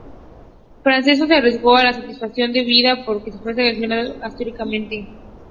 Francesco se arriesgó a una sanción de por vida pues ya fue sancionado anteriormente.